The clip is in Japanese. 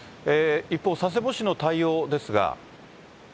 一方、佐世保市の対応ですが。